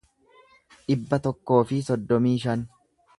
dhibba tokkoo fi soddomii shan